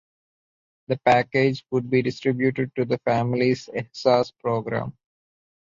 The package would be distributed to the families Ehsaas Programme.